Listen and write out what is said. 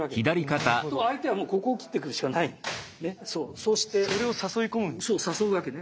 するとそれを誘い込むんですね。